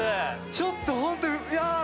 ちょっとホントいや。